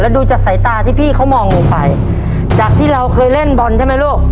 ดูจากสายตาที่พี่เขามองลงไปจากที่เราเคยเล่นบอลใช่ไหมลูก